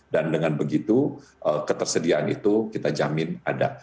dan dengan begitu ketersediaan itu kita jamin ada